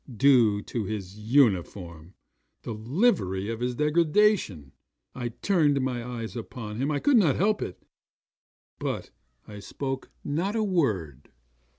Due to his uniform! The livery of his degradation! I turned my eyes upon him I could not help it but I spoke not a word.